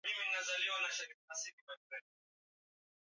kutunza vyanzo vyetu vya maji na kutumia maji vizuri